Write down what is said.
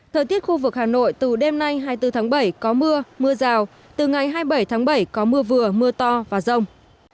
thời tiết khu vực hà nội từ đêm nay hai mươi bốn tháng bảy có mưa mưa rào từ ngày hai mươi bảy tháng bảy có mưa vừa mưa to và rông